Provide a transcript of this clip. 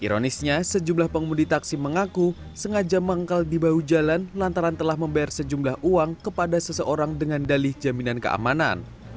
ironisnya sejumlah pengemudi taksi mengaku sengaja manggal di bahu jalan lantaran telah membayar sejumlah uang kepada seseorang dengan dalih jaminan keamanan